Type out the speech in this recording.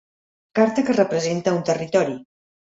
Carta que representa un territori.